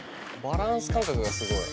バランス感覚がすごい！